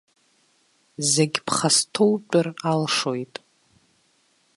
Зегь ԥхасҭоутәыр алшоит.